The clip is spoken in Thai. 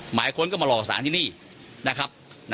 หมายค้นก็มาหลอกสารที่นี่นะครับ